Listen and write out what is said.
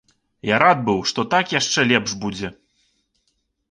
І рад быў, што так яшчэ лепш будзе.